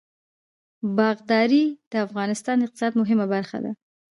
باغداري د افغانستان د اقتصاد مهمه برخه ده.